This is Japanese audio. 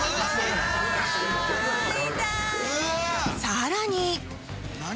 さらに何？